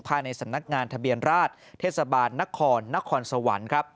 ภายในสำนักงานทะเบียนราชเทศบาลนครนครสวรรค์ครับ